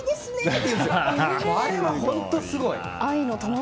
ってあれは本当にすごい。